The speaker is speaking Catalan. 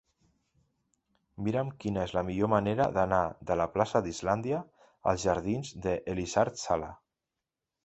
Mira'm quina és la millor manera d'anar de la plaça d'Islàndia als jardins d'Elisard Sala.